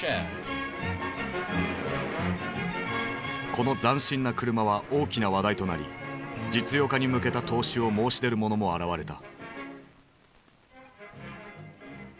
この斬新な車は大きな話題となり実用化に向けた投資を申し出る者も現れた。